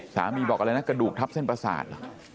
บอกอะไรนะกระดูกทับเส้นประสาท